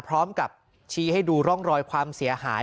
พร้อมกับชี้ให้ดูร่องรอยความเสียหาย